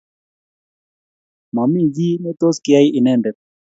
Mami kiy ne tos kiyanie inendet